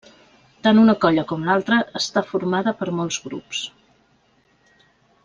Tant una colla com l'altra està formada per molts grups.